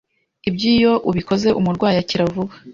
Ibyo iyo ubikoze, umurwayi akira vuba